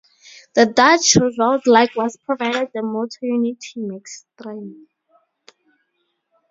The Dutch Revolt likewise provided the motto "Unity Makes Strength".